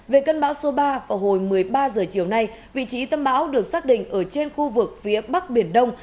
về cân báo số ba vào hồi một mươi ba giờ chiều nay vị trí tâm báo được xác định ở trên khu vực phía bắc biển đông